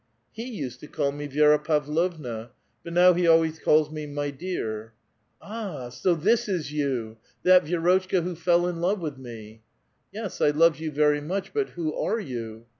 *•//« used to call me Vi^ra Pavlovna ; but now he always calls me ' My dear [J/oV drug], ^* Ah ! so this is you ! that Vi^rotchka who fell in love with me?" '* Yes ; I love you very much ; but who are you?"